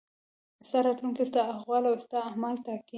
ستا راتلونکی ستا اقوال او ستا اعمال ټاکي.